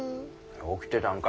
起きてたんか。